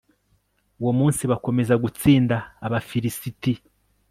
uwo munsi bakomeza gutsinda abafilisiti